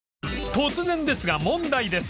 突然ですが問題です